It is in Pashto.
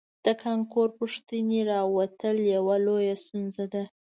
د کانکور پوښتنې راوتل یوه لویه ستونزه ده